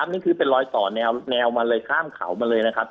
นี่คือเป็นรอยต่อแนวมาเลยข้ามเขามาเลยนะครับ